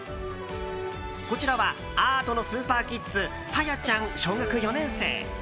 こちらはアートのスーパーキッズＳａｙａちゃん、小学４年生。